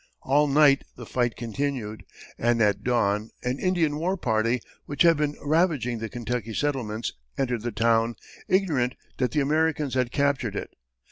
All night the fight continued, and at dawn an Indian war party, which had been ravaging the Kentucky settlements, entered the town, ignorant that the Americans had captured it.